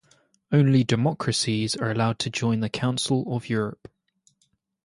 Only democracies are allowed to join the Council of Europe.